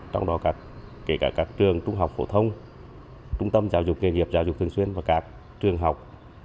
trong đó kể cả các trường trung học phổ thông trung tâm giáo dục nghề nghiệp giáo dục thường xuyên và các trường học